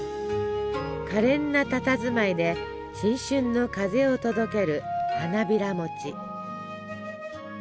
かれんなたたずまいで新春の風を届ける花びらもち。